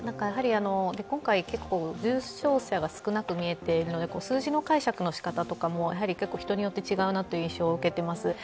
今回、重症者が少なく見えているので数字の解釈の仕方も人によって違うなという印象を受けています。